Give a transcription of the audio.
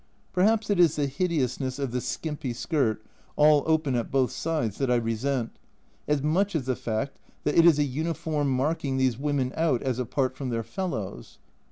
Perhaps it is the hideousness of the skimpy skirt, all open at both sides, that I resent, as much as the fact that it is a uniform marking these women out as apart from their fellows.